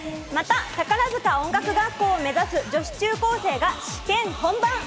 また宝塚音楽学校を目指す女子中高生が試験本番。